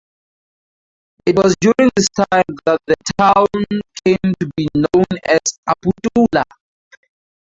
It was during this time that the town came to be known as Aputula.